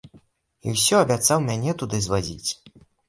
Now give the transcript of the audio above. І ўсё абяцаў мяне туды звазіць.